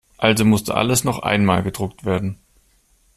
Also musste alles noch einmal gedruckt werden.